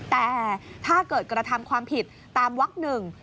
แต่ถ้าเกิดกระทำความผิดตามวักหนึ่ง